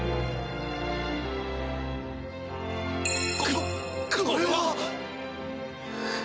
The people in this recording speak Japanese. ここれは！